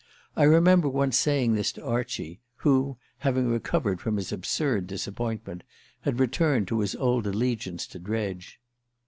I remember once saying this to Archie, who, having recovered from his absurd disappointment, had returned to his old allegiance to Dredge.